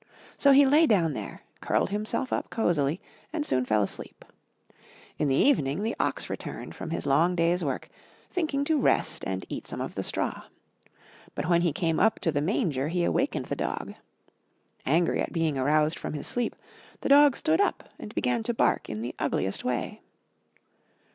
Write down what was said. So he lay down there, curled himself up cosily, and soon fell asleep. In the evening the Ox returned from his long day's work, thinking to rest and eat some of the straw. But when he came up to the manger, he awakened the Dog. Angry at being aroused from his sleep, the Dog stood up and began to bark in the ugliest way.